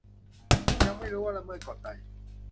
ยังไม่รู้ว่าละเมิดกฎใด